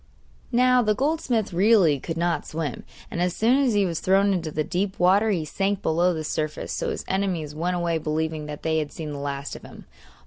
Now the goldsmith really could not swim, and as soon as he was thrown into the deep river he sank below the surface; so his enemies went away believing that they had seen the last of him.